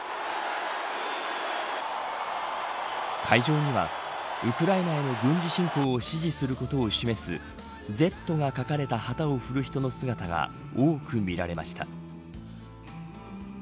会場にはウクライナの軍事侵攻を支持することを示すＺが書かれた旗を振る人の姿が多く見られました。